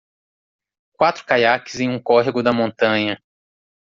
Quatro caiaques em um córrego da montanha.